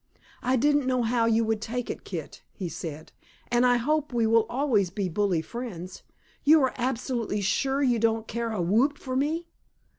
"I didn't know how you would take it, Kit," he said, "and I hope we will always be bully friends. You are absolutely sure you don't care a whoop for me?"